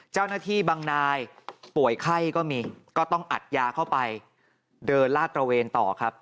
เจ้าหน้าที่บางนายป่วยไข้ก็มีก็ต้องอัดยาเข้าไปเดินลาดตระเวนต่อครับ